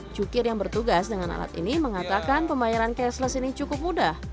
jukir yang bertugas dengan alat ini mengatakan pembayaran cashless ini cukup mudah